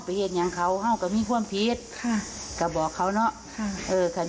สิยจะเห็นเธอครับผมสิบอกหน้าไห้